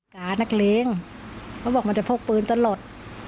กานักเลงเขาบอกมันจะพกปืนตลอด